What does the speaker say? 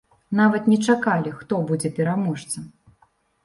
Нават не чакалі, хто будзе пераможцам.